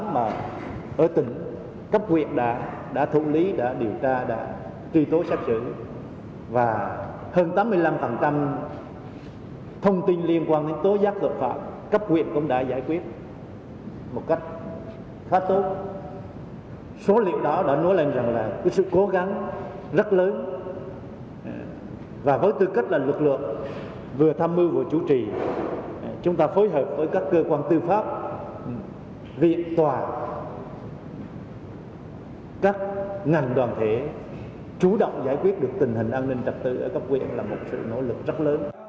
một cách khá tốt số liệu đó đã nói lên rằng là sự cố gắng rất lớn và với tư cách là lực lượng vừa tham mưu vừa chủ trì chúng ta phối hợp với các cơ quan tư pháp viện tòa các ngành đoàn thể chú động giải quyết được tình hình an ninh trạc tư ở các quyền là một sự nỗ lực rất lớn